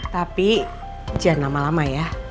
tapi jangan lama lama ya